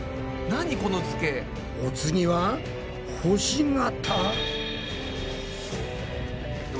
お次は星形？